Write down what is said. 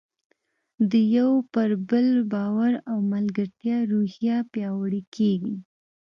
د یو پر بل باور او ملګرتیا روحیه پیاوړې کیږي.